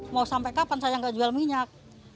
mau sampai kapan saya nggak jual minyak